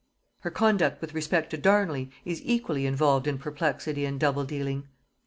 Her conduct with respect to Darnley is equally involved in perplexity and double dealing.